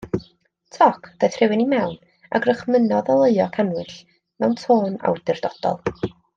Toc, daeth rhywun i mewn, a gorchymynnodd oleuo cannwyll mewn tôn awdurdodol.